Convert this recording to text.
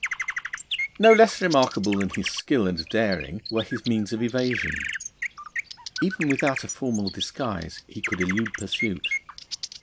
No less remarkable than his skill and daring were his means of evasion. Even without a formal disguise he could elude pursuit.